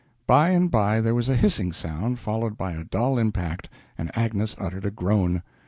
By and by there was a hissing sound, followed by a dull impact, and Agnes uttered a groan.